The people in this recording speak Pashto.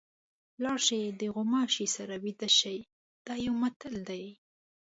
لاړ شئ د غوماشي سره ویده شئ دا یو متل دی.